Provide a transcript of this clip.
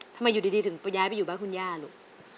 ทำไมอยู่ดีถึงย้ายไปอยู่บ้านคุณย่าลูก